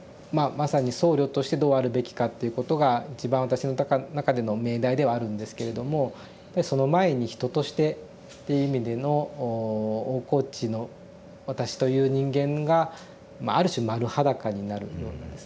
まさに「僧侶としてどうあるべきか」っていうことが一番私の中での命題ではあるんですけれどもその前に人としてって意味での大河内の私という人間がある種丸裸になるようなですね